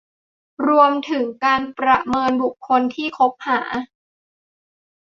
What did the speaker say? รวมถึงการประเมินบุคคลที่คบหา